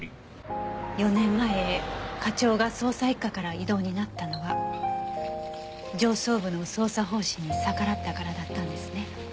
４年前課長が捜査一課から異動になったのは上層部の捜査方針に逆らったからだったんですね。